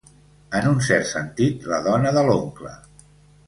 En un cert sentit, la dona de l'oncle.